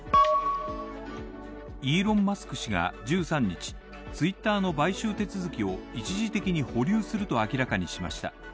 イーロン・マスク氏が１３日、ツイッターの買収手続きを一時的に保留すると明らかにしました。